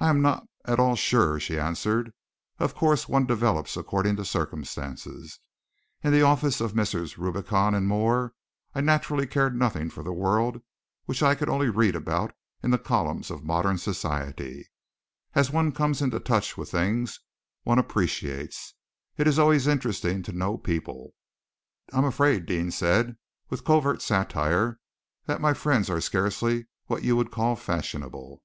"I am not at all sure," she answered. "Of course, one develops according to circumstances. In the office of Messrs. Rubicon & Moore I naturally cared nothing for the world which I could only read about in the columns of Modern Society. As one comes into touch with things, one appreciates. It is always interesting to know people." "I am afraid," Deane said, with covert satire, "that my friends are scarcely what you would call fashionable."